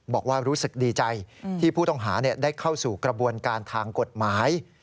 บอกว่ารู้สึกดีใจที่ผู้ต้องหาได้เข้าสู่กระบวนการทางกฎหมาย